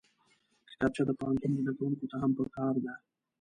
کتابچه د پوهنتون زدکوونکو ته هم پکار ده